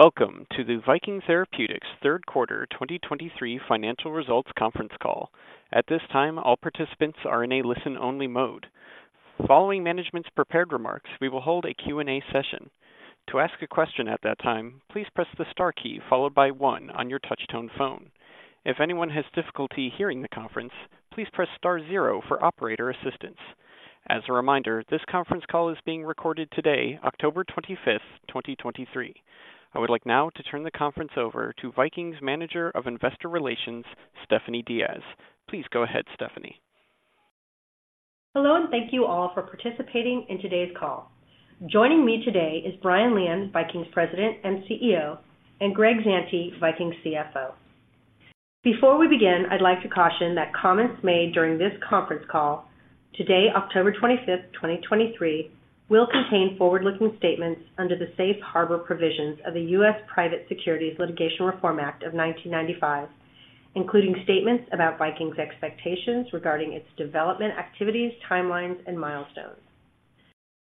Welcome to the Viking Therapeutics third quarter 2023 financial results conference call. At this time, all participants are in a listen-only mode. Following management's prepared remarks, we will hold a Q&A session. To ask a question at that time, please press the star key followed by one on your touchtone phone. If anyone has difficulty hearing the conference, please press star zero for operator assistance. As a reminder, this conference call is being recorded today, October 25, 2023. I would like now to turn the conference over to Viking's Manager of Investor Relations, Stephanie Diaz. Please go ahead, Stephanie. Hello, and thank you all for participating in today's call. Joining me today is Brian Lian, Viking's President and CEO, and Greg Zante, Viking's CFO. Before we begin, I'd like to caution that comments made during this conference call, today, October 25, 2023, will contain forward-looking statements under the Safe Harbor provisions of the U.S. Private Securities Litigation Reform Act of 1995, including statements about Viking's expectations regarding its development, activities, timelines and milestones.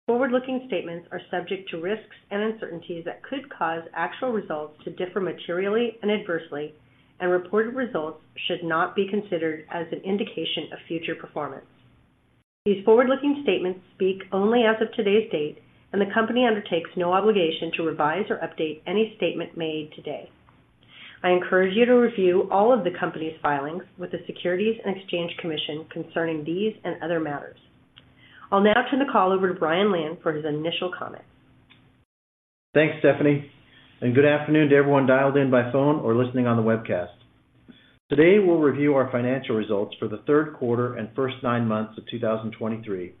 Forward-looking statements are subject to risks and uncertainties that could cause actual results to differ materially and adversely, and reported results should not be considered as an indication of future performance. These forward-looking statements speak only as of today's date, and the company undertakes no obligation to revise or update any statement made today. I encourage you to review all of the company's filings with the Securities and Exchange Commission concerning these and other matters. I'll now turn the call over to Brian Lian for his initial comments. Thanks, Stephanie, and good afternoon to everyone dialed in by phone or listening on the webcast. Today, we'll review our financial results for the third quarter and first 9 months of 2023,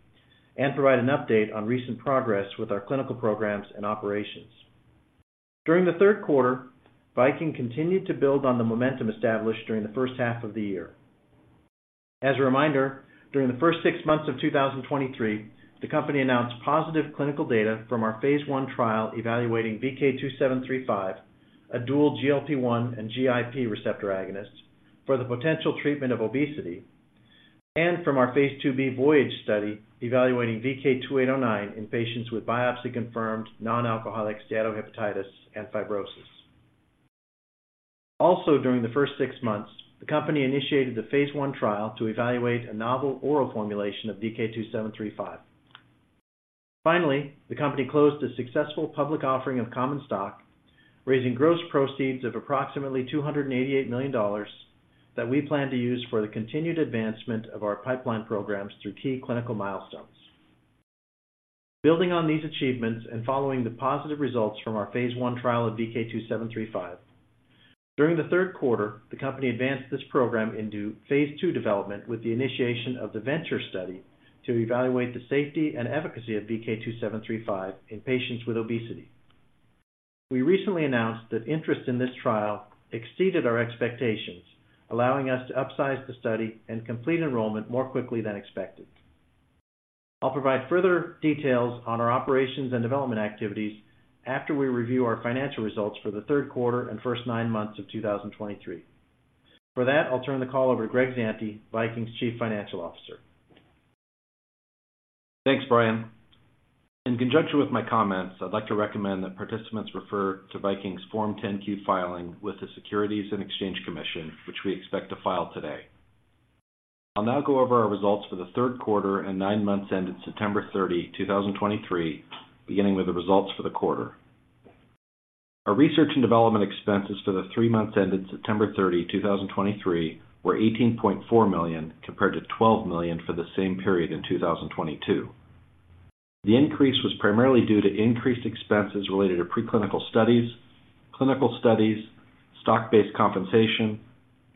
and provide an update on recent progress with our clinical programs and operations. During the third quarter, Viking continued to build on the momentum established during the first half of the year. As a reminder, during the first 6 months of 2023, the company announced positive clinical data from our phase 1 trial evaluating VK2735, a dual GLP-1 and GIP receptor agonist for the potential treatment of obesity, and from our phase 2b VOYAGE study, evaluating VK2809 in patients with biopsy-confirmed nonalcoholic steatohepatitis and fibrosis. Also, during the first 6 months, the company initiated the phase 1 trial to evaluate a novel oral formulation of VK2735. Finally, the company closed a successful public offering of common stock, raising gross proceeds of approximately $288,000,000 that we plan to use for the continued advancement of our pipeline programs through key clinical milestones. Building on these achievements and following the positive results from our phase I trial of VK2735, during the third quarter, the company advanced this program into phase II development with the initiation of the VENTURE Study to evaluate the safety and efficacy of VK2735 in patients with obesity. We recently announced that interest in this trial exceeded our expectations, allowing us to upsize the study and complete enrollment more quickly than expected. I'll provide further details on our operations and development activities after we review our financial results for the third quarter and first nine months of 2023. For that, I'll turn the call over to Greg Zante, Viking's Chief Financial Officer. Thanks, Brian. In conjunction with my comments, I'd like to recommend that participants refer to Viking's Form 10-Q filing with the Securities and Exchange Commission, which we expect to file today. I'll now go over our results for the third quarter and nine months ended September 30, 2023, beginning with the results for the quarter. Our research and development expenses for the three months ended September 30, 2023, were $18,400,000, compared to $12,000,000for the same period in 2022. The increase was primarily due to increased expenses related to preclinical studies, clinical studies, stock-based compensation,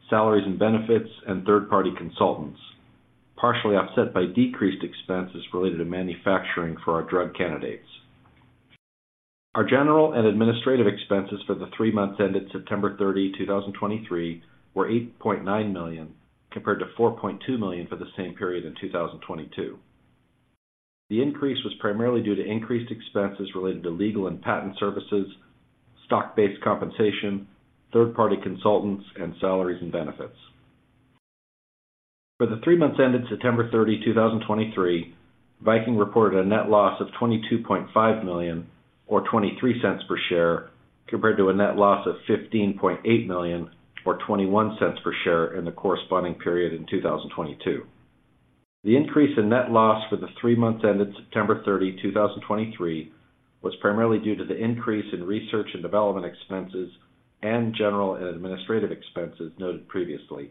salaries and benefits, and third-party consultants, partially offset by decreased expenses related to manufacturing for our drug candidates. Our general and administrative expenses for the three months ended September 30, 2023, were $8,900,000, compared to $4,200,000 for the same period in 2022. The increase was primarily due to increased expenses related to legal and patent services, stock-based compensation, third-party consultants, and salaries and benefits. For the three months ended September 30, 2023, Viking reported a net loss of $22,500,000 or $0.23 per share, compared to a net loss of $15,800,000 or $0.21 per share in the corresponding period in 2022. The increase in net loss for the three months ended September 30, 2023, was primarily due to the increase in research and development expenses and general and administrative expenses noted previously,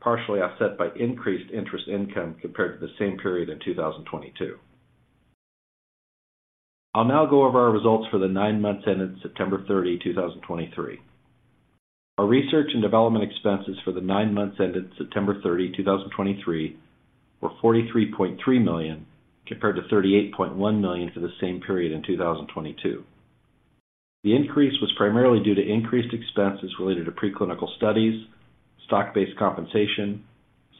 partially offset by increased interest income compared to the same period in 2022. I'll now go over our results for the nine months ended September 30, 2023. Our research and development expenses for the nine months ended September 30, 2023, were $43,300,000, compared to $38,100,000 for the same period in 2022. The increase was primarily due to increased expenses related to preclinical studies, stock-based compensation,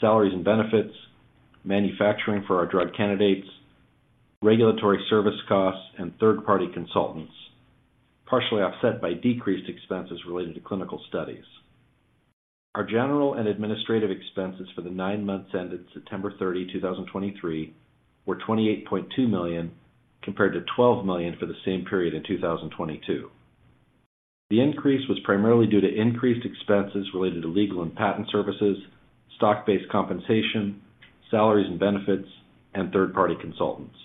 salaries and benefits, manufacturing for our drug candidates, regulatory service costs, and third-party consultants, partially offset by decreased expenses related to clinical studies. Our general and administrative expenses for the nine months ended September 30, 2023, were $28,200,000, compared to $12,000,000 for the same period in 2022. The increase was primarily due to increased expenses related to legal and patent services, stock-based compensation, salaries and benefits, and third-party consultants.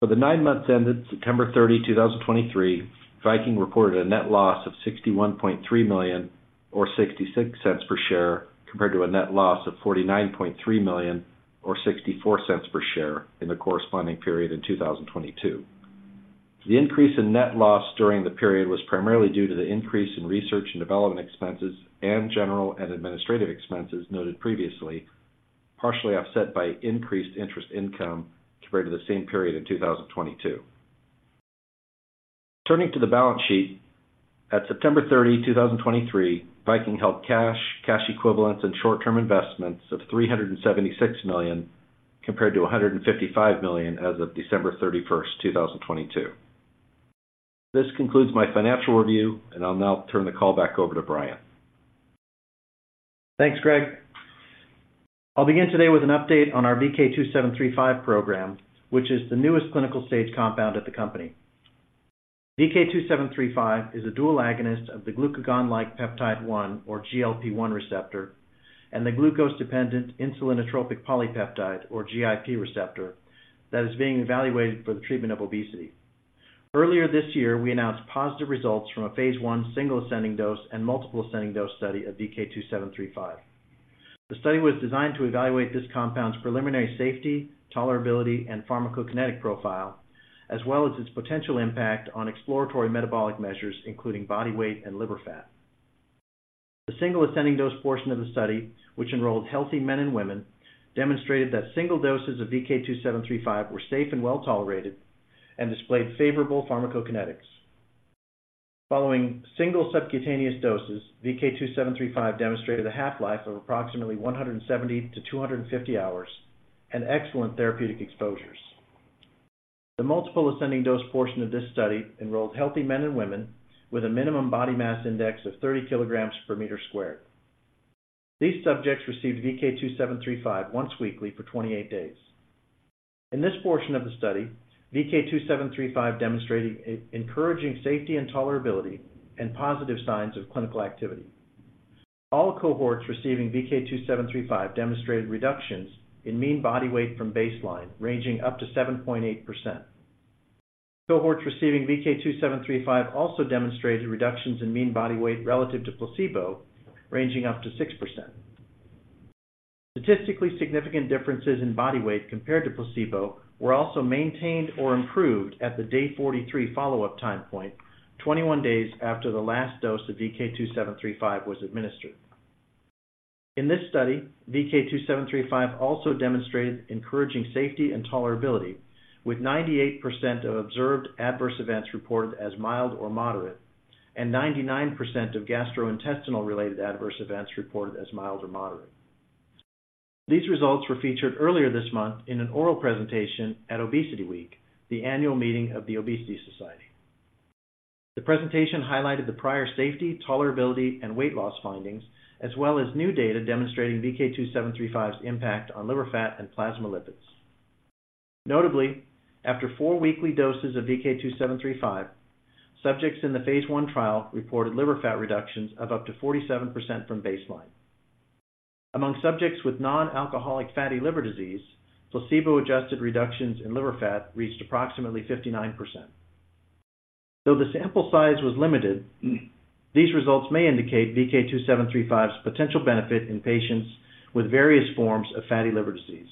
For the nine months ended September 30, 2023, Viking reported a net loss of $61,300,000 or $0.66 per share, compared to a net loss of $49,300,000 or $0.64 per share in the corresponding period in 2022. The increase in net loss during the period was primarily due to the increase in research and development expenses and general and administrative expenses noted previously, partially offset by increased interest income compared to the same period in 2022. Turning to the balance sheet. At September 30, 2023, Viking held cash, cash equivalents, and short-term investments of $376,000,000, compared to $155,000,000 as of December 31, 2022. This concludes my financial review, and I'll now turn the call back over to Brian. Thanks, Greg. I'll begin today with an update on our VK2735 program, which is the newest clinical stage compound at the company. VK2735 is a dual agonist of the glucagon-like peptide 1 or GLP-1 receptor, and the glucose-dependent insulinotropic polypeptide, or GIP receptor, that is being evaluated for the treatment of obesity. Earlier this year, we announced positive results from a Phase I single ascending dose and multiple ascending dose study of VK2735. The study was designed to evaluate this compound's preliminary safety, tolerability, and pharmacokinetic profile, as well as its potential impact on exploratory metabolic measures, including body weight and liver fat. The single ascending dose portion of the study, which enrolled healthy men and women, demonstrated that single doses of VK2735 were safe and well-tolerated and displayed favorable pharmacokinetics. Following single subcutaneous doses, VK2735 demonstrated a half-life of approximately 170-250 hours and excellent therapeutic exposures. The multiple ascending dose portion of this study enrolled healthy men and women with a minimum body mass index of 30 kg/m². These subjects received VK2735 once weekly for 28 days. In this portion of the study, VK2735 demonstrated encouraging safety and tolerability and positive signs of clinical activity. All cohorts receiving VK2735 demonstrated reductions in mean body weight from baseline, ranging up to 7.8%. Cohorts receiving VK2735 also demonstrated reductions in mean body weight relative to placebo, ranging up to 6%. Statistically significant differences in body weight compared to placebo were also maintained or improved at the day 43 follow-up time point, 21 days after the last dose of VK2735 was administered. In this study, VK2735 also demonstrated encouraging safety and tolerability, with 98% of observed adverse events reported as mild or moderate, and 99% of gastrointestinal-related adverse events reported as mild or moderate. These results were featured earlier this month in an oral presentation at ObesityWeek, the annual meeting of the Obesity Society. The presentation highlighted the prior safety, tolerability, and weight loss findings, as well as new data demonstrating VK2735's impact on liver fat and plasma lipids. Notably, after 4 weekly doses of VK2735, subjects in the phase I trial reported liver fat reductions of up to 47% from baseline. Among subjects with non-alcoholic fatty liver disease, placebo-adjusted reductions in liver fat reached approximately 59%. Though the sample size was limited, these results may indicate VK2735's potential benefit in patients with various forms of fatty liver disease.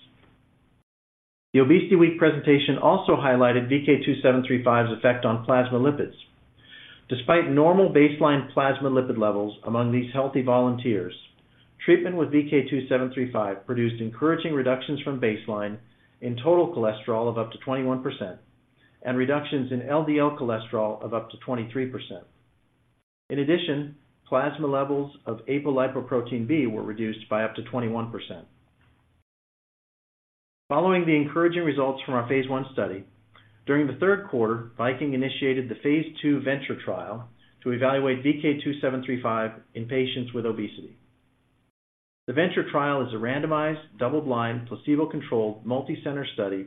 The ObesityWeek presentation also highlighted VK2735's effect on plasma lipids. Despite normal baseline plasma lipid levels among these healthy volunteers, treatment with VK2735 produced encouraging reductions from baseline in total cholesterol of up to 21% and reductions in LDL cholesterol of up to 23%. In addition, plasma levels of apolipoprotein B were reduced by up to 21%. Following the encouraging results from our Phase I study, during the third quarter, Viking initiated the Phase II VENTURE trial to evaluate VK2735 in patients with obesity. The VENTURE trial is a randomized, double-blind, placebo-controlled, multicenter study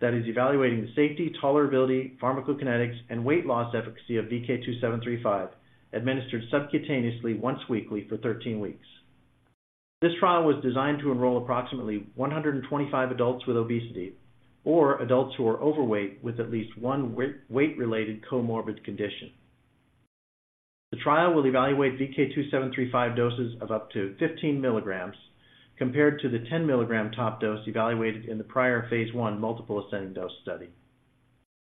that is evaluating the safety, tolerability, pharmacokinetics, and weight loss efficacy of VK2735, administered subcutaneously once weekly for 13 weeks. This trial was designed to enroll approximately 125 adults with obesity or adults who are overweight with at least one weight-related comorbid condition. The trial will evaluate VK2735 doses of up to 15 milligrams compared to the 10 milligram top dose evaluated in the prior phase I multiple ascending dose study.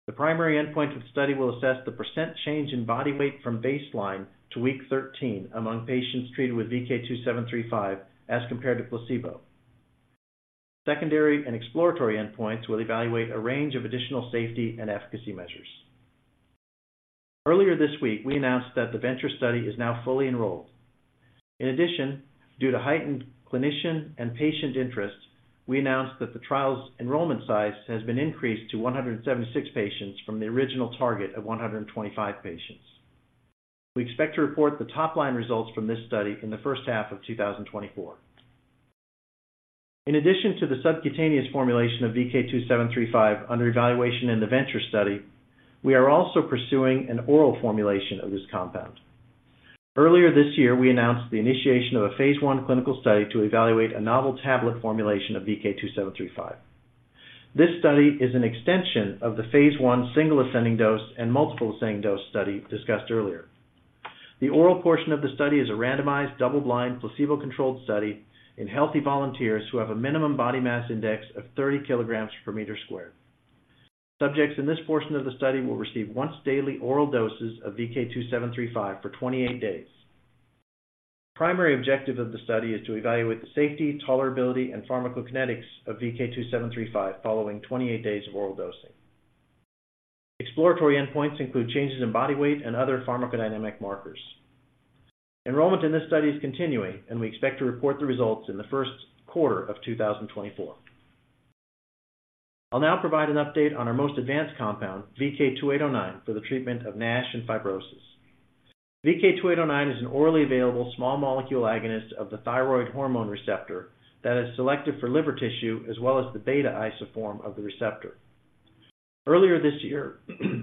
The primary endpoint of the study will assess the percent change in body weight from baseline to week 13 among patients treated with VK2735 as compared to placebo. Secondary and exploratory endpoints will evaluate a range of additional safety and efficacy measures. Earlier this week, we announced that the VENTURE Study is now fully enrolled. In addition, due to heightened clinician and patient interest, we announced that the trial's enrollment size has been increased to 176 patients from the original target of 125 patients. We expect to report the top-line results from this study in the first half of 2024. In addition to the subcutaneous formulation of VK2735 under evaluation in the VENTURE Study, we are also pursuing an oral formulation of this compound. Earlier this year, we announced the initiation of a phase 1 clinical study to evaluate a novel tablet formulation of VK2735. This study is an extension of the phase 1 single ascending dose and multiple ascending dose study discussed earlier. The oral portion of the study is a randomized, double-blind, placebo-controlled study in healthy volunteers who have a minimum body mass index of 30 kilograms per meter squared. Subjects in this portion of the study will receive once-daily oral doses of VK2735 for 28 days. The primary objective of the study is to evaluate the safety, tolerability, and pharmacokinetics of VK2735 following 28 days of oral dosing. Exploratory endpoints include changes in body weight and other pharmacodynamic markers. Enrollment in this study is continuing, and we expect to report the results in the first quarter of 2024. I'll now provide an update on our most advanced compound, VK2809, for the treatment of NASH and fibrosis. VK2809 is an orally available small molecule agonist of the thyroid hormone receptor that is selective for liver tissue, as well as the beta isoform of the receptor. Earlier this year,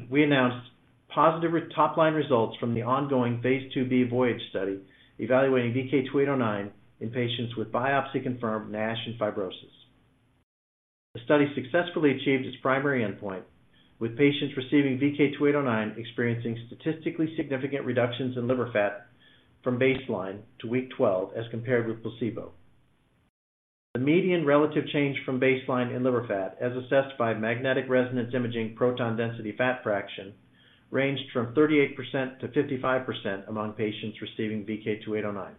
we announced positive top-line results from the ongoing Phase 2B VOYAGE Study evaluating VK2809 in patients with biopsy-confirmed NASH and fibrosis. The study successfully achieved its primary endpoint, with patients receiving VK2809 experiencing statistically significant reductions in liver fat from baseline to week 12 as compared with placebo. The median relative change from baseline in liver fat, as assessed by Magnetic Resonance Imaging Proton Density Fat Fraction, ranged from 38%-55% among patients receiving VK2809.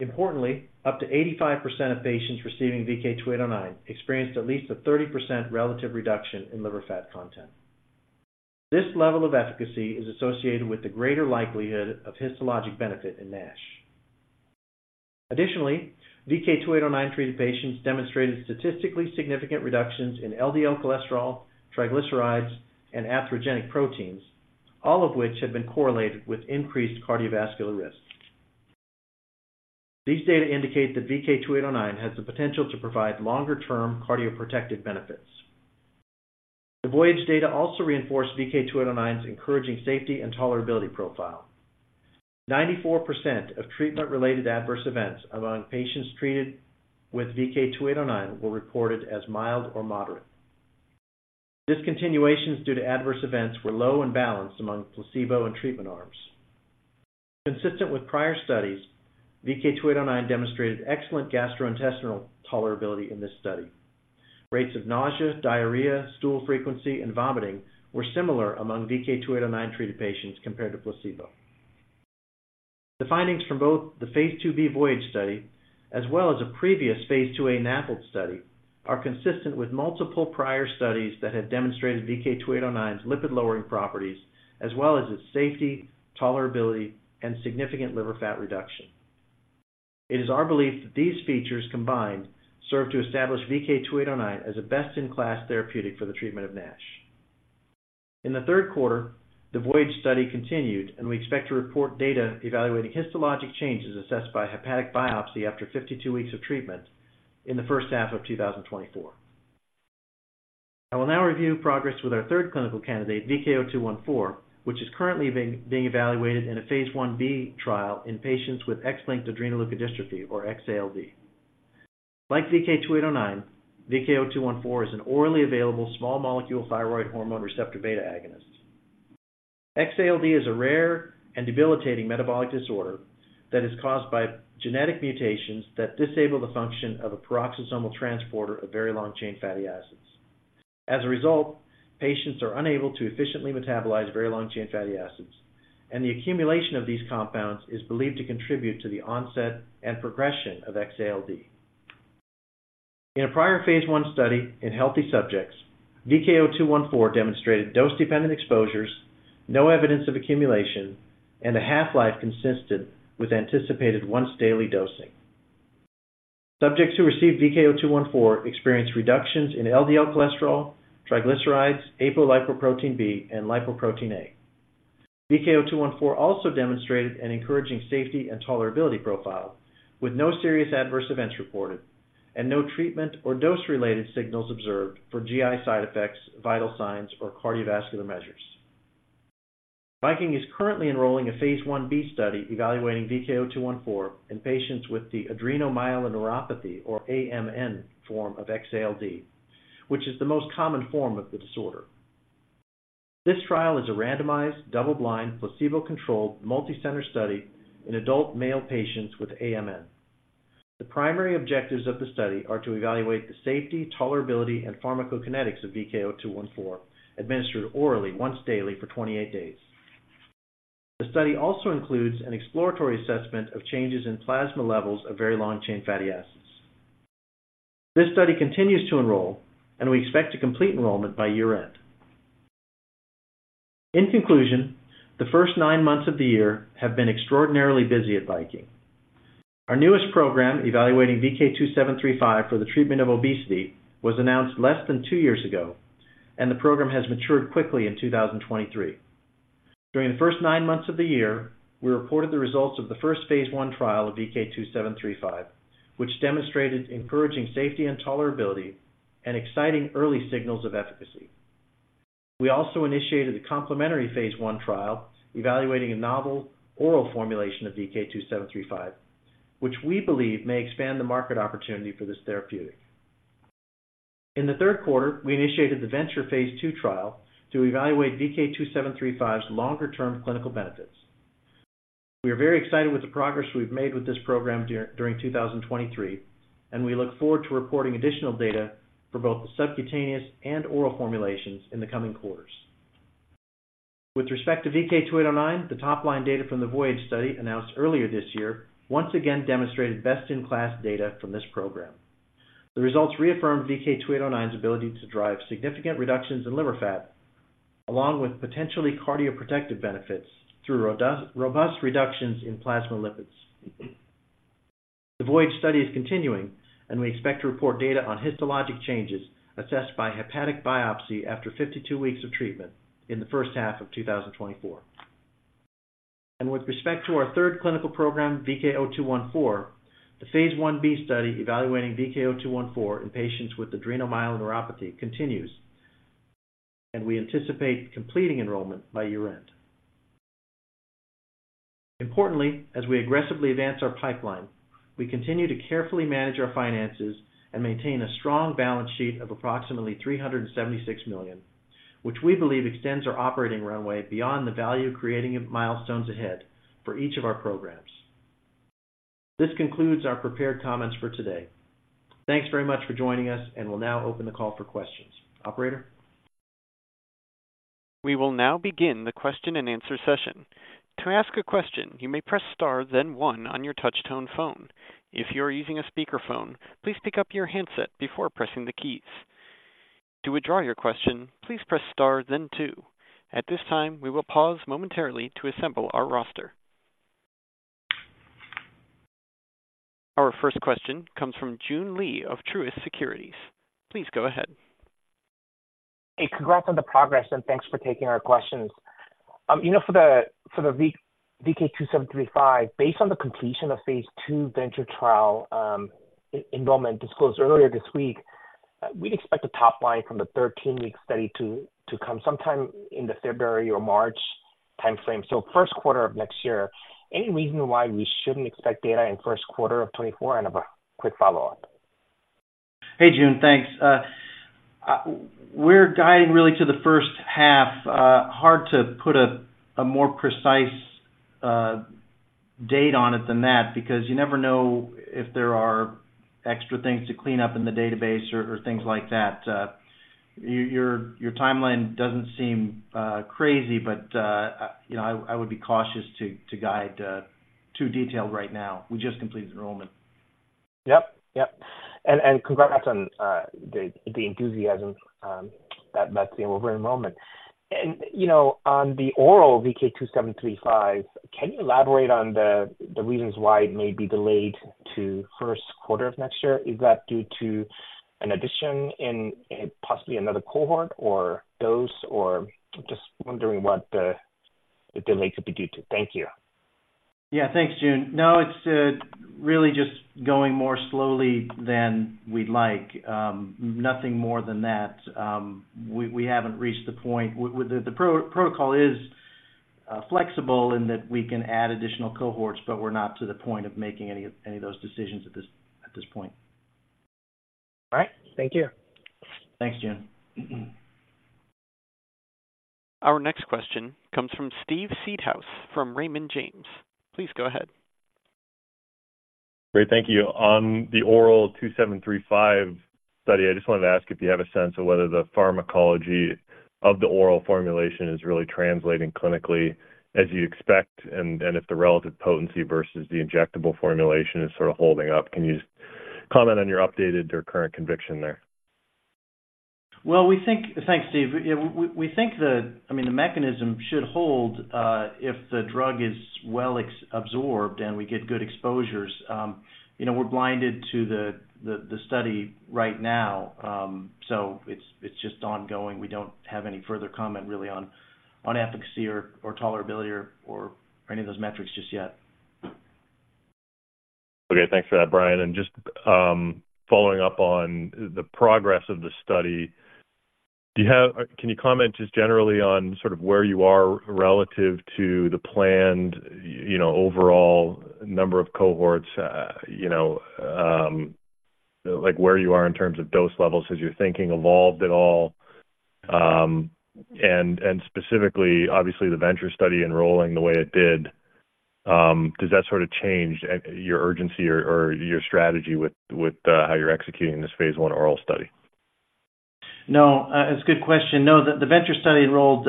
Importantly, up to 85% of patients receiving VK2809 experienced at least a 30% relative reduction in liver fat content. This level of efficacy is associated with the greater likelihood of histologic benefit in NASH. Additionally, VK2809-treated patients demonstrated statistically significant reductions in LDL cholesterol, triglycerides, and atherogenic proteins, all of which have been correlated with increased cardiovascular risk. These data indicate that VK2809 has the potential to provide longer-term cardioprotective benefits. The VOYAGE data also reinforced VK2809's encouraging safety and tolerability profile. 94% of treatment-related adverse events among patients treated with VK2809 were reported as mild or moderate. Discontinuations due to adverse events were low and balanced among placebo and treatment arms. Consistent with prior studies, VK2809 demonstrated excellent gastrointestinal tolerability in this study. Rates of nausea, diarrhea, stool frequency, and vomiting were similar among VK2809-treated patients compared to placebo. The findings from both the phase 2B VOYAGE study, as well as a previous phase 2A NAPLES study, are consistent with multiple prior studies that have demonstrated VK2809's lipid-lowering properties, as well as its safety, tolerability, and significant liver fat reduction. It is our belief that these features combined serve to establish VK2809 as a best-in-class therapeutic for the treatment of NASH. In the third quarter, the VOYAGE study continued, and we expect to report data evaluating histologic changes assessed by hepatic biopsy after 52 weeks of treatment in the first half of 2024. I will now review progress with our third clinical candidate, VK0214, which is currently being evaluated in a phase 1B trial in patients with X-linked adrenoleukodystrophy, or XALD. Like VK2809, VK0214 is an orally available small molecule thyroid hormone receptor beta agonist. X-ALD is a rare and debilitating metabolic disorder that is caused by genetic mutations that disable the function of a peroxisomal transporter of very long-chain fatty acids. As a result, patients are unable to efficiently metabolize very long-chain fatty acids, and the accumulation of these compounds is believed to contribute to the onset and progression of X-ALD. In a prior phase 1 study in healthy subjects, VK0214 demonstrated dose-dependent exposures, no evidence of accumulation, and a half-life consistent with anticipated once-daily dosing. Subjects who received VK0214 experienced reductions in LDL cholesterol, triglycerides, apolipoprotein B, and Lipoprotein(a). VK0214 also demonstrated an encouraging safety and tolerability profile, with no serious adverse events reported and no treatment or dose-related signals observed for GI side effects, vital signs, or cardiovascular measures. Viking is currently enrolling a phase 1B study evaluating VK0214 in patients with the adrenomyeloneuropathy, or AMN, form of X-ALD, which is the most common form of the disorder. This trial is a randomized, double-blind, placebo-controlled, multicenter study in adult male patients with AMN. The primary objectives of the study are to evaluate the safety, tolerability, and pharmacokinetics of VK0214, administered orally once daily for 28 days. The study also includes an exploratory assessment of changes in plasma levels of very long-chain fatty acids. This study continues to enroll, and we expect to complete enrollment by year-end. In conclusion, the first nine months of the year have been extraordinarily busy at Viking. Our newest program, evaluating VK2735 for the treatment of obesity, was announced less than two years ago, and the program has matured quickly in 2023. During the first nine months of the year, we reported the results of the first phase 1 trial of VK2735, which demonstrated encouraging safety and tolerability and exciting early signals of efficacy. We also initiated a complementary phase 1 trial evaluating a novel oral formulation of VK2735, which we believe may expand the market opportunity for this therapeutic. In the third quarter, we initiated the VENTURE phase 2 trial to evaluate VK2735's longer-term clinical benefits. We are very excited with the progress we've made with this program during 2023, and we look forward to reporting additional data for both the subcutaneous and oral formulations in the coming quarters. With respect to VK2809, the top-line data from the VOYAGE study announced earlier this year once again demonstrated best-in-class data from this program. The results reaffirmed VK2809's ability to drive significant reductions in liver fat, along with potentially cardioprotective benefits through robust reductions in plasma lipids. The VOYAGE study is continuing, and we expect to report data on histologic changes assessed by hepatic biopsy after 52 weeks of treatment in the first half of 2024. With respect to our third clinical program, VK0214, the Phase 1-B study evaluating VK0214 in patients with adrenomyeloneuropathy continues, and we anticipate completing enrollment by year-end. Importantly, as we aggressively advance our pipeline, we continue to carefully manage our finances and maintain a strong balance sheet of approximately $376,000,000, which we believe extends our operating runway beyond the value-creating milestones ahead for each of our programs. This concludes our prepared comments for today. Thanks very much for joining us, and we'll now open the call for questions. Operator? We will now begin the question-and-answer session. To ask a question, you may press star, then one on your touchtone phone. If you are using a speakerphone, please pick up your handset before pressing the keys. To withdraw your question, please press star then two. At this time, we will pause momentarily to assemble our roster. Our first question comes from June Lee of Truist Securities. Please go ahead. Hey, congrats on the progress, and thanks for taking our questions. You know, for the VK2735, based on the completion of Phase 2 VENTURE trial, enrollment disclosed earlier this week, we'd expect the top line from the 13-week study to come sometime in the February or March timeframe, so first quarter of next year. Any reason why we shouldn't expect data in first quarter of 2024? And I have a quick follow-up. Hey, June. Thanks. We're guiding really to the first half. Hard to put a more precise date on it than that because you never know if there are extra things to clean up in the database or things like that. Your timeline doesn't seem crazy, but you know, I would be cautious to guide too detailed right now. We just completed enrollment. Yep, yep. And congrats on the enthusiasm about the enrollment. And, you know, on the oral VK2735, can you elaborate on the reasons why it may be delayed to first quarter of next year? Is that due to an addition in possibly another cohort or dose, or just wondering what the delay could be due to? Thank you. Yeah, thanks, June. No, it's really just going more slowly than we'd like. Nothing more than that. We haven't reached the point... Well, the protocol is flexible in that we can add additional cohorts, but we're not to the point of making any of those decisions at this point. All right. Thank you. Thanks, June. Our next question comes from Steve Seedhouse from Raymond James. Please go ahead. Great. Thank you. On the oral 2735 study, I just wanted to ask if you have a sense of whether the pharmacology of the oral formulation is really translating clinically as you expect, and if the relative potency versus the injectable formulation is sort of holding up. Can you just comment on your updated or current conviction there? Well, we think. Thanks, Steve. Yeah, we think the, I mean, the mechanism should hold if the drug is well absorbed, and we get good exposures. You know, we're blinded to the study right now, so it's just ongoing. We don't have any further comment really on efficacy or tolerability or any of those metrics just yet. Okay. Thanks for that, Brian. And just following up on the progress of the study, do you have... Can you comment just generally on sort of where you are relative to the planned, you know, overall number of cohorts? You know, like, where you are in terms of dose levels, has your thinking evolved at all? And specifically, obviously, the VENTURE study enrolling the way it did, does that sort of change your urgency or your strategy with how you're executing this Phase 1 oral study? No, it's a good question. No, the VENTURE study enrolled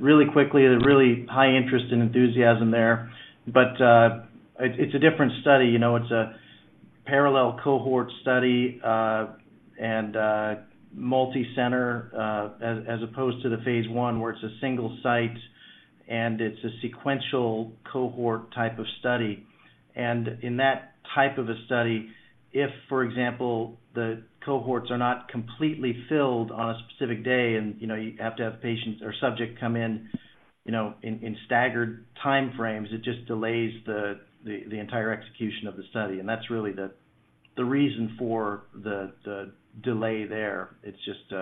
really quickly. There's really high interest and enthusiasm there, but it's a different study. You know, it's a parallel cohort study and multicenter, as opposed to the phase 1, where it's a single site and it's a sequential cohort type of study. And in that type of a study, if, for example, the cohorts are not completely filled on a specific day and, you know, you have to have patients or subject come in, you know, in staggered time frames, it just delays the entire execution of the study. And that's really the reason for the delay there. It's just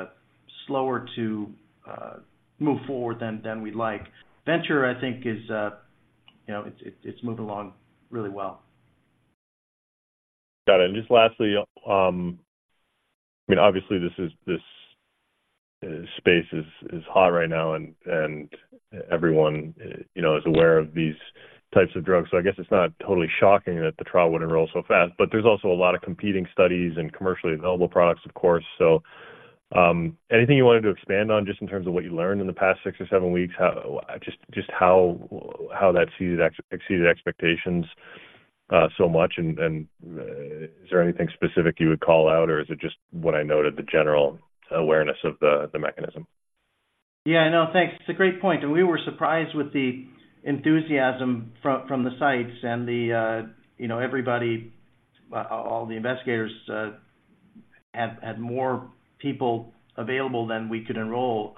slower to move forward than we'd like. VENTURE, I think, is, you know, it's moving along really well. Got it. And just lastly, I mean, obviously, this space is hot right now, and everyone, you know, is aware of these types of drugs. So I guess it's not totally shocking that the trial would enroll so fast. But there's also a lot of competing studies and commercially available products, of course. So, anything you wanted to expand on just in terms of what you learned in the past six or seven weeks? How just how that exceeded expectations so much, and is there anything specific you would call out, or is it just what I noted, the general awareness of the mechanism? Yeah, I know. Thanks. It's a great point, and we were surprised with the enthusiasm from the sites and the you know everybody all the investigators had more people available than we could enroll.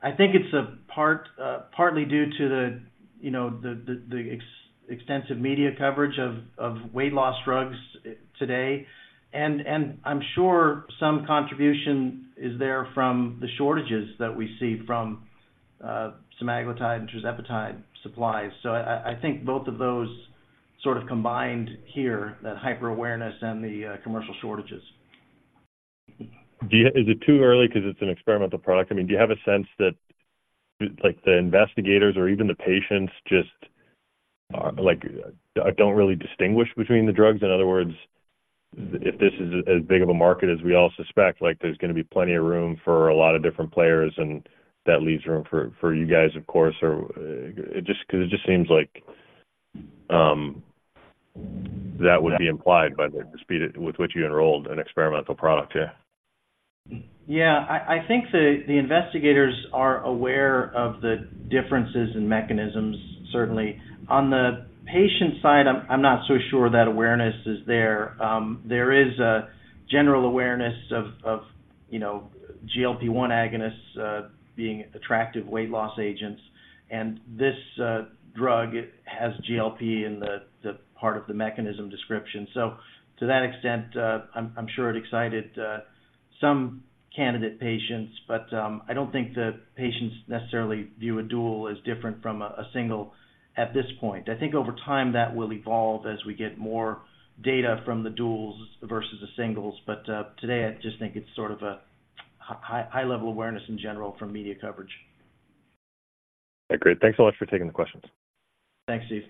I think it's a part partly due to the you know the extensive media coverage of weight loss drugs today. And I'm sure some contribution is there from the shortages that we see from semaglutide and tirzepatide supplies. So I think both of those sort of combined here, that hyper-awareness and the commercial shortages. Do you... Is it too early 'cause it's an experimental product? I mean, do you have a sense that, like, the investigators or even the patients just, like, don't really distinguish between the drugs? In other words, if this is as big of a market as we all suspect, like, there's gonna be plenty of room for a lot of different players, and that leaves room for, for you guys, of course. Or just, 'cause it just seems like, that would be implied by the speed at which you enrolled an experimental product. Yeah. Yeah. I think the investigators are aware of the differences in mechanisms, certainly. On the patient side, I'm not so sure that awareness is there. There is a general awareness of, you know, GLP-1 agonists being attractive weight loss agents, and this drug has GLP in the part of the mechanism description. So to that extent, I'm sure it excited some candidate patients, but I don't think the patients necessarily view a dual as different from a single at this point. I think over time, that will evolve as we get more data from the duals versus the singles. But today, I just think it's sort of a high-level awareness in general from media coverage. Okay, great. Thanks a lot for taking the questions. Thanks, Steve.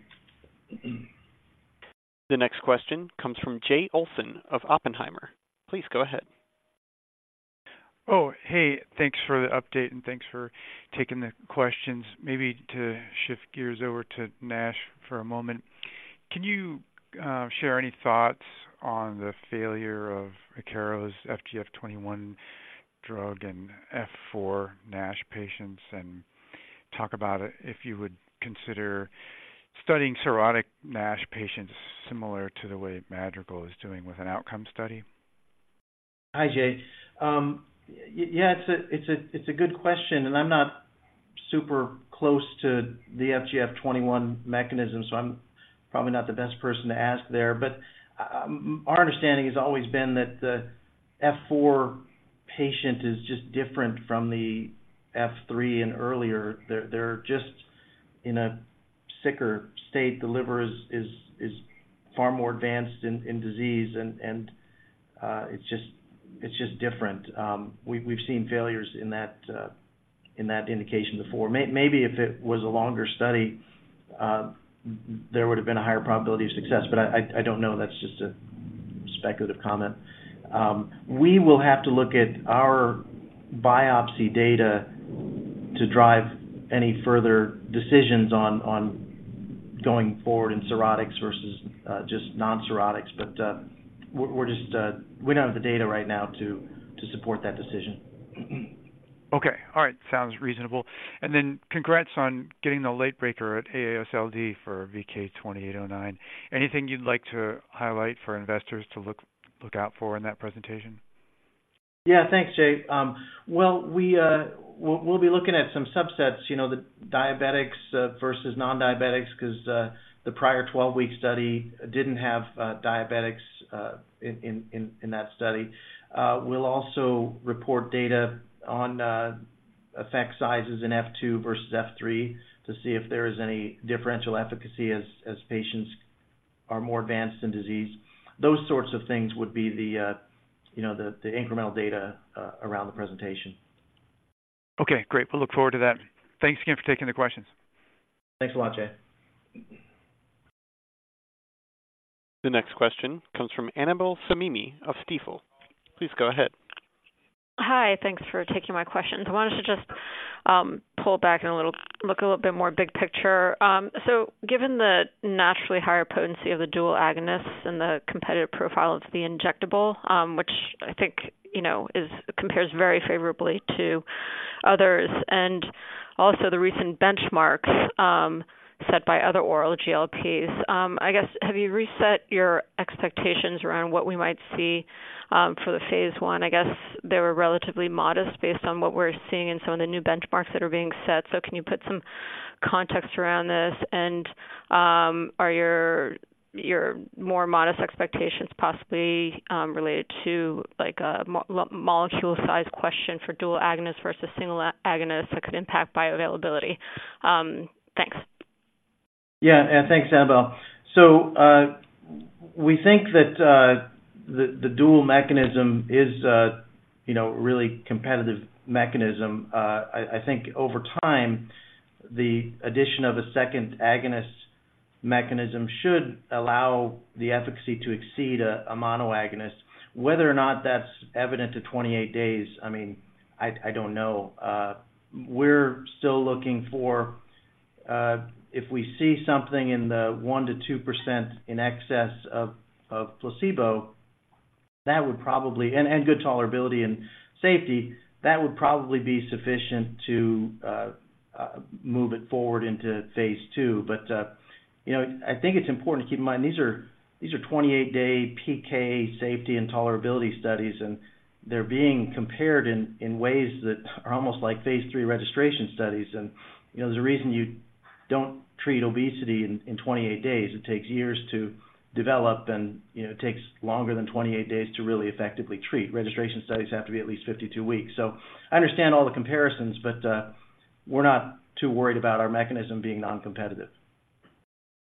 The next question comes from Jay Olson of Oppenheimer. Please go ahead. Oh, hey, thanks for the update, and thanks for taking the questions. Maybe to shift gears over to NASH for a moment, can you share any thoughts on the failure of Akero's FGF21 drug in F4 NASH patients and talk about if you would consider studying cirrhotic NASH patients similar to the way Madrigal is doing with an outcome study? Hi, Jay. Yeah, it's a good question, and I'm not super close to the FGF21 mechanism, so I'm probably not the best person to ask there. But our understanding has always been that the F4 patient is just different from the F3 and earlier. They're just in a sicker state. The liver is far more advanced in disease, and it's just different. We've seen failures in that indication before. Maybe if it was a longer study, there would have been a higher probability of success, but I don't know. That's just a speculative comment. We will have to look at our biopsy data to drive any further decisions on going forward in cirrhotics versus just non-cirrhotics. But we're just... We don't have the data right now to support that decision. Okay. All right. Sounds reasonable. And then congrats on getting the late breaker at AASLD for VK2809. Anything you'd like to highlight for investors to look out for in that presentation? Yeah. Thanks, Jay. Well, we'll be looking at some subsets, you know, the diabetics versus non-diabetics, 'cause the prior 12-week study didn't have diabetics in that study. We'll also report data on effect sizes in F2 versus F3 to see if there is any differential efficacy as patients are more advanced in disease. Those sorts of things would be the, you know, the incremental data around the presentation. Okay, great. We'll look forward to that. Thanks again for taking the questions. Thanks a lot, Jay. The next question comes from Annabel Samimy of Stifel. Please go ahead. Hi, thanks for taking my questions. I wanted to just pull back a little, look a little bit more big picture. So given the naturally higher potency of the dual agonists and the competitive profile of the injectable, which I think, you know, is compares very favorably to others, and also the recent benchmarks set by other oral GLPs, I guess, have you reset your expectations around what we might see for the phase 1? I guess they were relatively modest based on what we're seeing in some of the new benchmarks that are being set. So can you put some context around this? And are your more modest expectations possibly related to, like, a molecule size question for dual agonist versus single agonist that could impact bioavailability? Thanks. Yeah, and thanks, Annabelle. So, we think that the dual mechanism is, you know, really competitive mechanism. I think over time, the addition of a second agonist mechanism should allow the efficacy to exceed a mono agonist. Whether or not that's evident to 28 days, I mean, I don't know. We're still looking for if we see something in the 1%-2% in excess of placebo, that would probably... And good tolerability and safety, that would probably be sufficient to move it forward into phase 2. But, you know, I think it's important to keep in mind, these are 28-day PK safety and tolerability studies, and they're being compared in ways that are almost like phase 3 registration studies. You know, there's a reason you don't treat obesity in 28 days. It takes years to develop, and, you know, it takes longer than 28 days to really effectively treat. Registration studies have to be at least 52 weeks. So I understand all the comparisons, but we're not too worried about our mechanism being non-competitive.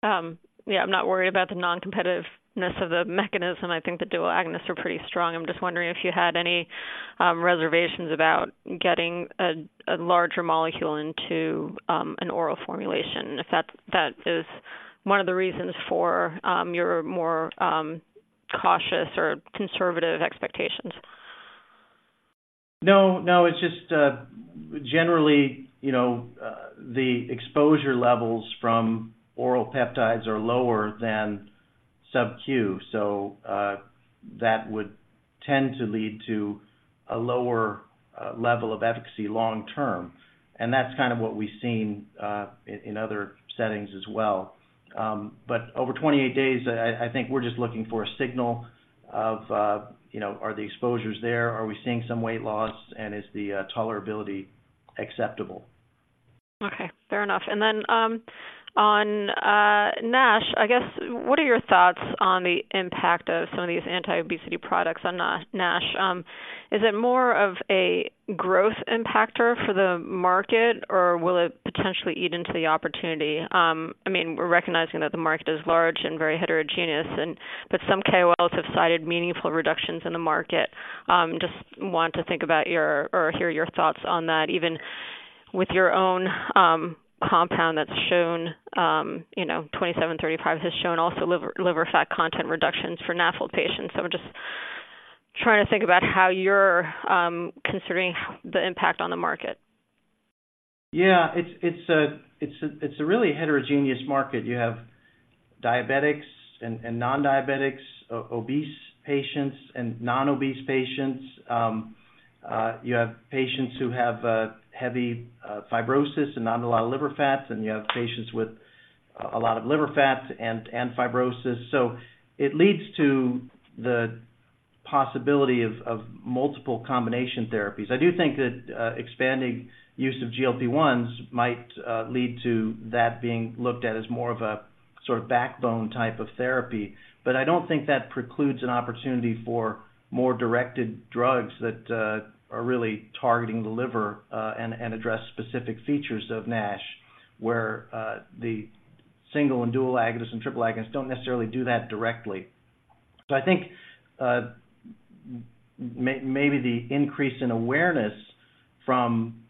Yeah, I'm not worried about the non-competitiveness of the mechanism. I think the dual agonists are pretty strong. I'm just wondering if you had any reservations about getting a larger molecule into an oral formulation, if that is one of the reasons for your more cautious or conservative expectations. No, no, it's just generally, you know, the exposure levels from oral peptides are lower than subq, so that would tend to lead to a lower level of efficacy long term, and that's kind of what we've seen in other settings as well. But over 28 days, I think we're just looking for a signal of, you know, are the exposures there? Are we seeing some weight loss, and is the tolerability acceptable? Okay, fair enough. And then, on NASH, I guess, what are your thoughts on the impact of some of these anti-obesity products on NASH? Is it more of a growth impacter for the market, or will it potentially eat into the opportunity? I mean, we're recognizing that the market is large and very heterogeneous and, but some KOLs have cited meaningful reductions in the market. Just want to think about your or hear your thoughts on that, even with your own compound that's shown, you know, VK2735 has shown also liver fat content reductions for NAFL patients. So we're just trying to think about how you're considering the impact on the market. Yeah, it's a really heterogeneous market. You have diabetics and nondiabetics, obese patients and non-obese patients. You have patients who have heavy fibrosis and not a lot of liver fats, and you have patients with a lot of liver fats and fibrosis. So it leads to the possibility of multiple combination therapies. I do think that expanding use of GLP-1s might lead to that being looked at as more of a sort of backbone type of therapy. But I don't think that precludes an opportunity for more directed drugs that are really targeting the liver and address specific features of NASH, where the single and dual agonists and triple agonists don't necessarily do that directly. So I think, maybe the increase in awareness from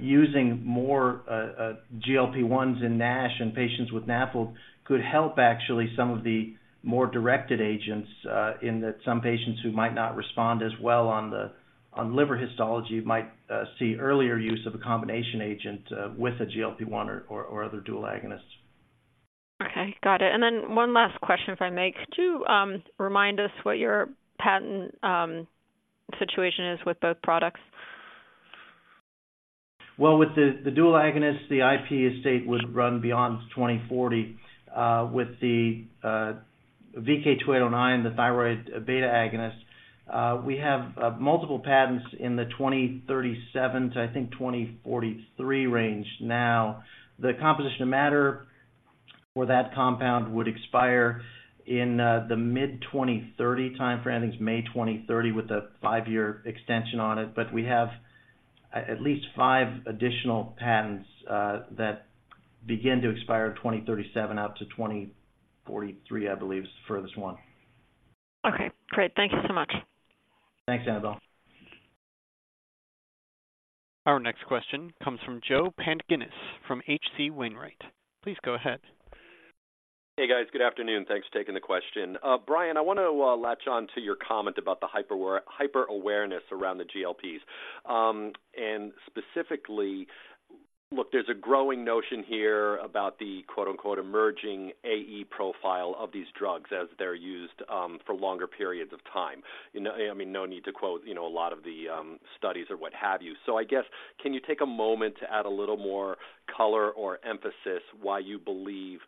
using more GLP-1s in NASH and patients with NAFLD could help actually some of the more directed agents, in that some patients who might not respond as well on liver histology might see earlier use of a combination agent with a GLP-1 or other dual agonists. Okay, got it. And then one last question if I may. Could you remind us what your patent situation is with both products? Well, with the dual agonist, the IP estate would run beyond 2040. With the VK2809, the thyroid beta agonist, we have multiple patents in the 2037-2043 range. Now, the composition of matter for that compound would expire in the mid-2030 timeframe. I think it's May 2030 with a 5-year extension on it, but we have at least 5 additional patents that begin to expire in 2037, up to 2043, I believe is the furthest one. Okay, great. Thank you so much. Thanks, Annabel. ...Our next question comes from Joe Pantginis from HC Wainwright. Please go ahead. Hey, guys. Good afternoon. Thanks for taking the question. Brian, I want to latch on to your comment about the hyper awareness around the GLPs. And specifically, look, there's a growing notion here about the quote, unquote, "emerging AE profile of these drugs" as they're used for longer periods of time. You know, I mean, no need to quote, you know, a lot of the studies or what have you. So I guess, can you take a moment to add a little more color or emphasis why you believe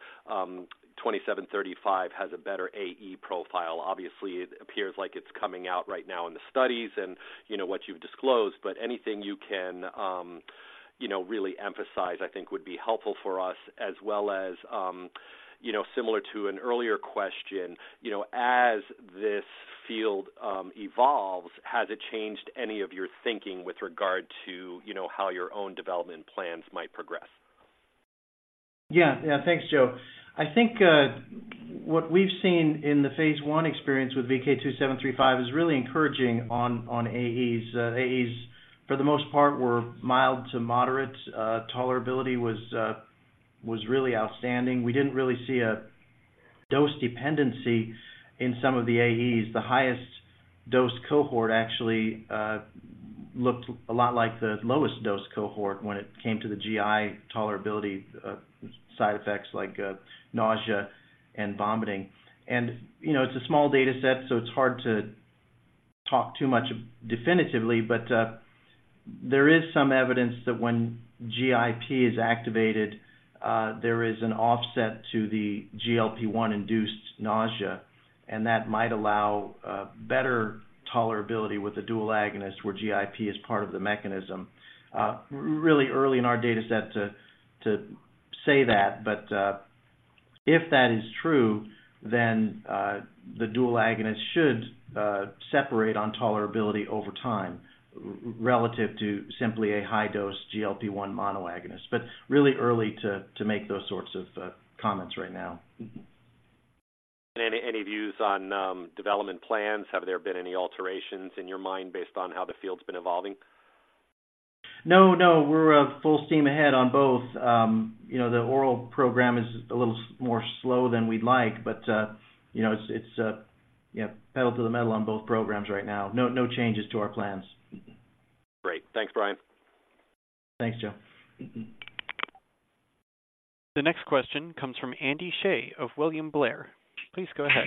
2735 has a better AE profile? Obviously, it appears like it's coming out right now in the studies and, you know, what you've disclosed, but anything you can, you know, really emphasize, I think would be helpful for us as well as, you know, similar to an earlier question, you know, as this field evolves, has it changed any of your thinking with regard to, you know, how your own development plans might progress? Yeah. Yeah. Thanks, Joe. I think what we've seen in the Phase 1 experience with VK2735 is really encouraging on AEs. AEs, for the most part, were mild to moderate. Tolerability was really outstanding. We didn't really see a dose dependency in some of the AEs. The highest dose cohort actually looked a lot like the lowest dose cohort when it came to the GI tolerability side effects like nausea and vomiting. And, you know, it's a small data set, so it's hard to talk too much definitively, but there is some evidence that when GIP is activated, there is an offset to the GLP-1-induced nausea, and that might allow better tolerability with the dual agonist, where GIP is part of the mechanism. Really early in our data set to say that, but if that is true, then the dual agonist should separate on tolerability over time, relative to simply a high-dose GLP-1 monoagonist. But really early to make those sorts of comments right now. Any views on development plans? Have there been any alterations in your mind based on how the field's been evolving? No, no, we're full steam ahead on both. You know, the oral program is a little more slow than we'd like, but, you know, it's yeah, pedal to the metal on both programs right now. No, no changes to our plans. Great. Thanks, Brian. Thanks, Joe. The next question comes from Andy Hsieh of William Blair. Please go ahead.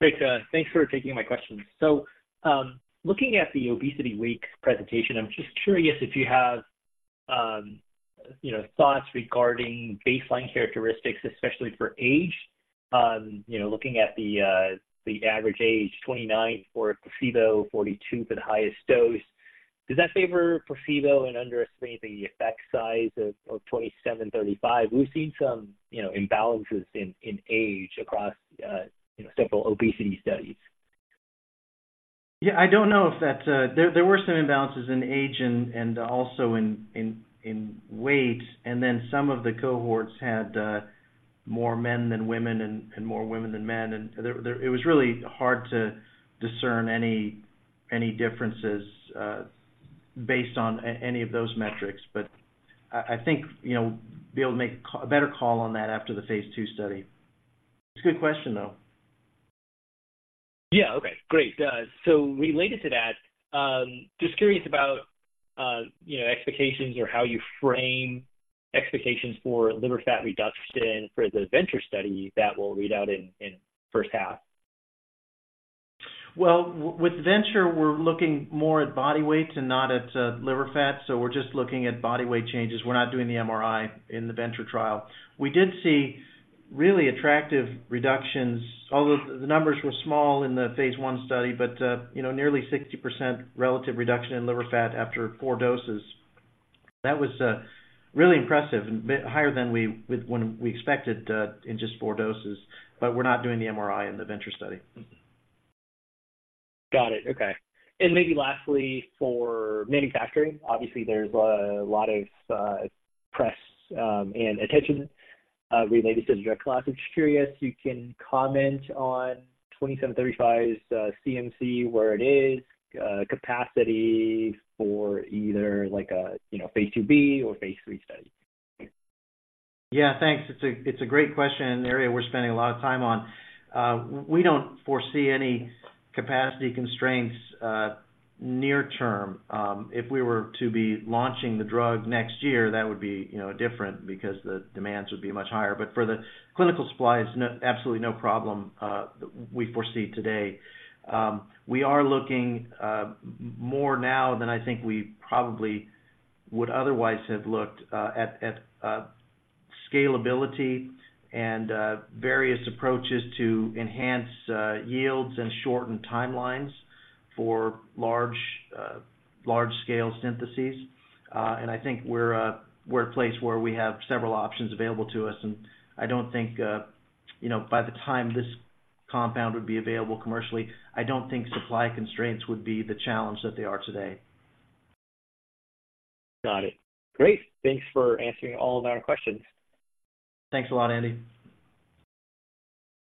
Great. Thanks for taking my question. So, looking at the ObesityWeek presentation, I'm just curious if you have, you know, thoughts regarding baseline characteristics, especially for age. You know, looking at the average age, 29 for placebo, 42 for the highest dose. Does that favor placebo and underestimate the effect size of VK2735? We've seen some, you know, imbalances in age across several obesity studies. Yeah, I don't know if that. There were some imbalances in age and also in weight, and then some of the cohorts had more men than women and more women than men. And there, it was really hard to discern any differences based on any of those metrics. But I think, you know, be able to make a better call on that after the phase two study. It's a good question, though. Yeah. Okay, great. So related to that, just curious about, you know, expectations or how you frame expectations for liver fat reduction for the VENTURE Study that will read out in first half? Well, with VENTURE, we're looking more at body weight and not at liver fat, so we're just looking at body weight changes. We're not doing the MRI in the VENTURE trial. We did see really attractive reductions, although the numbers were small in the phase 1 study, but you know, nearly 60% relative reduction in liver fat after four doses. That was really impressive and a bit higher than we expected in just four doses, but we're not doing the MRI in the VENTURE study. Got it. Okay. Maybe lastly, for manufacturing, obviously, there's a lot of press and attention related to the drug class. I'm just curious if you can comment on VK2735's CMC, where it is, capacity for either like a, you know, phase 2B or phase 3 study? Yeah, thanks. It's a great question, an area we're spending a lot of time on. We don't foresee any capacity constraints near term. If we were to be launching the drug next year, that would be, you know, different because the demands would be much higher. But for the clinical supplies, no, absolutely no problem we foresee today. We are looking more now than I think we probably would otherwise have looked at scalability and various approaches to enhance yields and shorten timelines for large-scale syntheses. And I think we're at a place where we have several options available to us, and I don't think, you know, by the time this compound would be available commercially, I don't think supply constraints would be the challenge that they are today. Got it. Great. Thanks for answering all of our questions. Thanks a lot, Andy.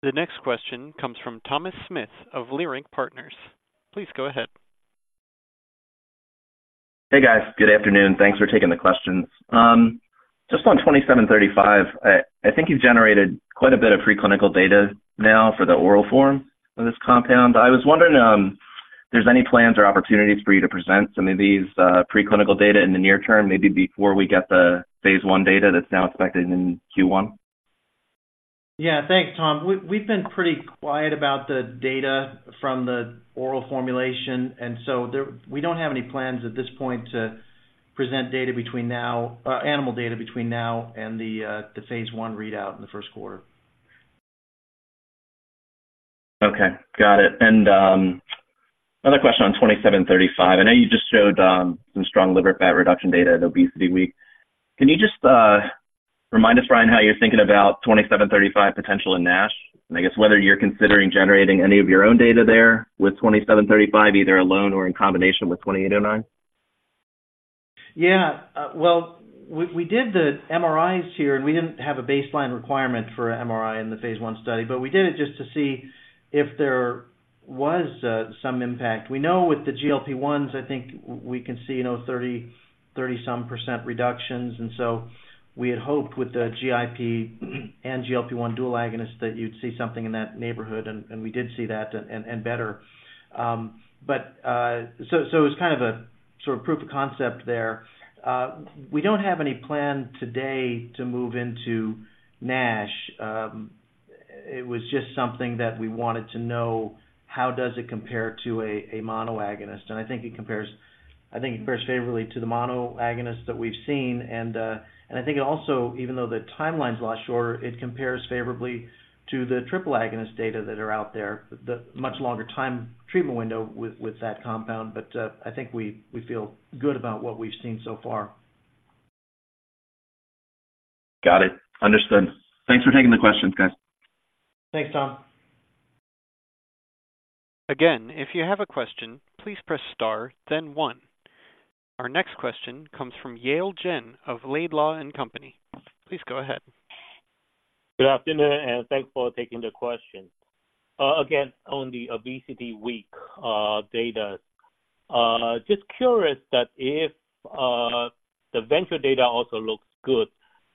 The next question comes from Thomas Smith of Leerink Partners. Please go ahead. Hey, guys. Good afternoon. Thanks for taking the questions. Just on VK2735, I think you've generated quite a bit of preclinical data now for the oral form of this compound. I was wondering, if there's any plans or opportunities for you to present some of these preclinical data in the near term, maybe before we get the phase 1 data that's now expected in Q1? Yeah. Thanks, Tom. We've been pretty quiet about the data from the oral formulation, and so there... We don't have any plans at this point to present animal data between now and the Phase 1 readout in the first quarter. Okay, got it. Another question on 2735. I know you just showed some strong liver fat reduction data at ObesityWeek. Can you just remind us, Brian, how you're thinking about 2735 potential in NASH? And I guess whether you're considering generating any of your own data there with 2735, either alone or in combination with 2809. Yeah. Well, we did the MRIs here, and we didn't have a baseline requirement for MRI in the phase 1 study, but we did it just to see if there was some impact. We know with the GLP-1s, I think we can see, you know, 30, 30-some% reductions, and so we had hoped with the GIP and GLP-1 dual agonist that you'd see something in that neighborhood, and we did see that and better. But, so it was kind of a sort of proof of concept there. We don't have any plan today to move into NASH. It was just something that we wanted to know, how does it compare to a mono agonist? And I think it compares, I think it compares favorably to the mono agonist that we've seen. I think it also, even though the timeline's a lot shorter, it compares favorably to the triple agonist data that are out there, the much longer time treatment window with that compound. But I think we feel good about what we've seen so far. Got it. Understood. Thanks for taking the questions, guys. Thanks, Tom. Again, if you have a question, please press star, then one. Our next question comes from Yale Jen of Laidlaw & Company. Please go ahead. Good afternoon, and thanks for taking the question. Again, on the Obesity Week data, just curious that if the VENTURE data also looks good,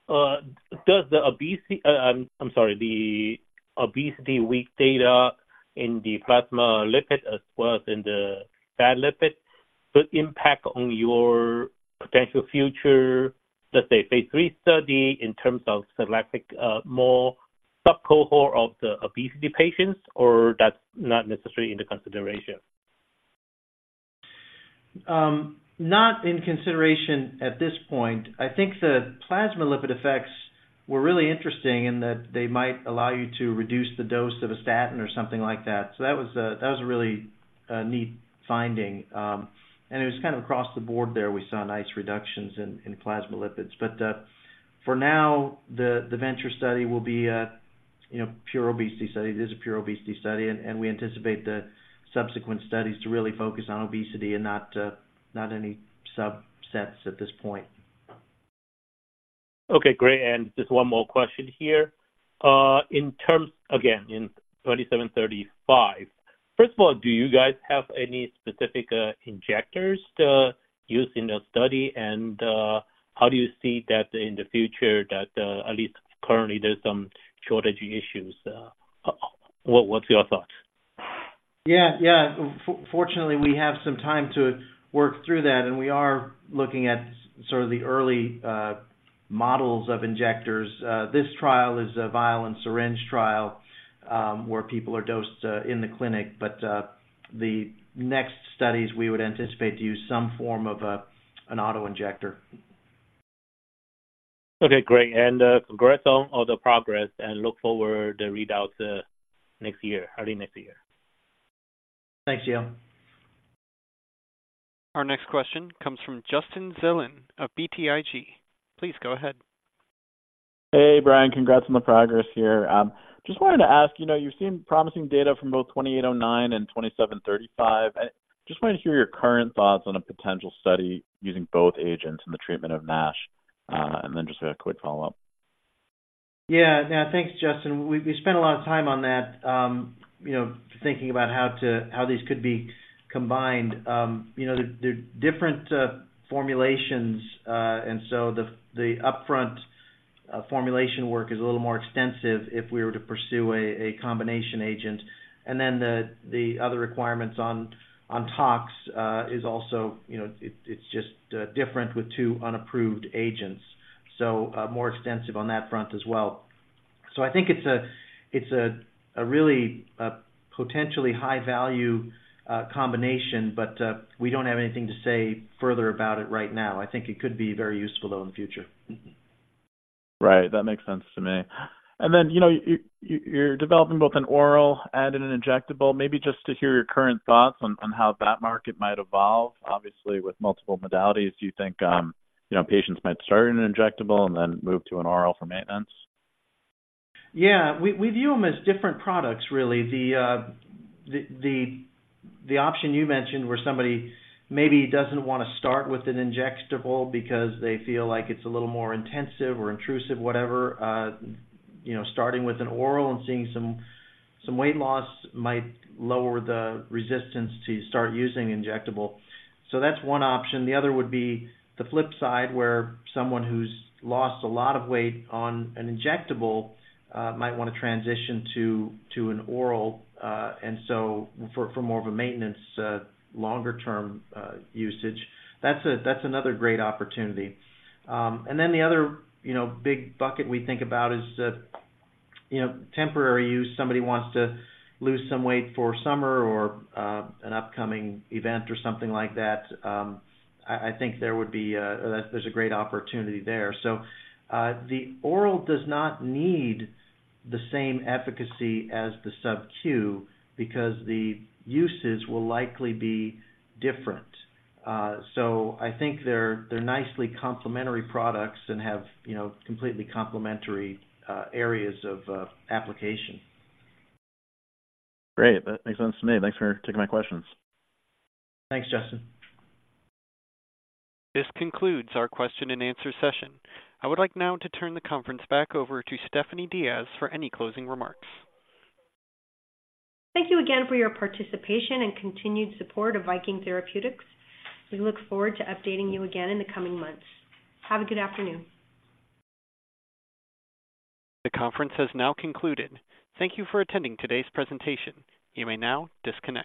does the obesity, I'm sorry, the Obesity Week data in the plasma lipid as well as in the fat lipid could impact on your potential future, let's say, phase 3 study in terms of selecting more sub cohort of the obesity patients or that's not necessarily into consideration? Not in consideration at this point. I think the plasma lipid effects were really interesting in that they might allow you to reduce the dose of a statin or something like that. So that was a really neat finding. And it was kind of across the board there. We saw nice reductions in plasma lipids. But for now, the VENTURE study will be a you know pure obesity study. It is a pure obesity study, and we anticipate the subsequent studies to really focus on obesity and not any subsets at this point. Okay, great. And just one more question here. In terms, again, in VK2735, first of all, do you guys have any specific injectors to use in the study? And how do you see that in the future that at least currently there's some shortage issues? What's your thoughts? Yeah, yeah. Fortunately, we have some time to work through that, and we are looking at sort of the early models of injectors. This trial is a vial and syringe trial, where people are dosed in the clinic, but the next studies, we would anticipate to use some form of a an auto-injector. Okay, great. Congrats on all the progress and look forward to read out next year, early next year. Thanks, Yale. Our next question comes from Justin Zelin of BTIG. Please go ahead. Hey, Brian. Congrats on the progress here. Just wanted to ask, you know, you've seen promising data from both VK2809 and VK2735. I just wanted to hear your current thoughts on a potential study using both agents in the treatment of NASH, and then just a quick follow-up. Yeah, yeah. Thanks, Justin. We spent a lot of time on that, you know, thinking about how to, how these could be combined. You know, they're different formulations, and so the upfront formulation work is a little more extensive if we were to pursue a combination agent. And then the other requirements on tox is also, you know, it's just different with two unapproved agents. So, more extensive on that front as well. So I think it's a really potentially high-value combination, but we don't have anything to say further about it right now. I think it could be very useful, though, in the future. Right. That makes sense to me. And then, you know, you're developing both an oral and an injectable. Maybe just to hear your current thoughts on how that market might evolve, obviously, with multiple modalities. Do you think, you know, patients might start an injectable and then move to an oral for maintenance? Yeah. We view them as different products, really. The option you mentioned, where somebody maybe doesn't want to start with an injectable because they feel like it's a little more intensive or intrusive, whatever, you know, starting with an oral and seeing some weight loss might lower the resistance to start using injectable. So that's one option. The other would be the flip side, where someone who's lost a lot of weight on an injectable might want to transition to an oral, and so for more of a maintenance, longer-term usage. That's another great opportunity. And then the other, you know, big bucket we think about is, you know, temporary use. Somebody wants to lose some weight for summer or an upcoming event or something like that. I think there would be a great opportunity there. So, the oral does not need the same efficacy as the subQ because the uses will likely be different. So I think they're nicely complementary products and have, you know, completely complementary areas of application. Great. That makes sense to me. Thanks for taking my questions. Thanks, Justin. This concludes our question and answer session. I would like now to turn the conference back over to Stephanie Diaz for any closing remarks. Thank you again for your participation and continued support of Viking Therapeutics. We look forward to updating you again in the coming months. Have a good afternoon. The conference has now concluded. Thank you for attending today's presentation. You may now disconnect.